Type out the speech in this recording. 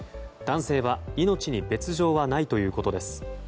男性は命に別条はないということです。